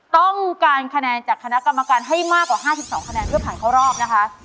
ต้องการคะแนนจากคณะกรรมการให้มากกว่า๕๒คะแนนเพื่อผ่านเข้ารอบนะคะ